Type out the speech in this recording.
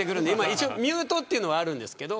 一応ミュートというのはあるんですが。